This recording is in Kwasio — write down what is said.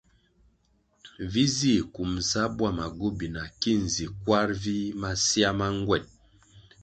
Vi zih kumbʼsa bwama gobina ki zi kwar vih masea ma ngwen.